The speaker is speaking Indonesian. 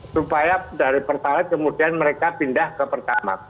supaya dari pertalite kemudian mereka pindah ke pertamak